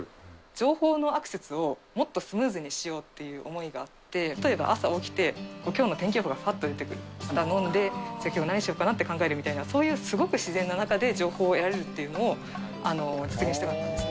情報のアクセスをもっとスムーズにしようっていう思いがあって、例えば朝起きて、きょうの天気予報がぱっと出てくる、飲んで、きょうは何しようかなって考える、そういうすごく自然な中で、情報を得られるっていうのを実現したかったんですね。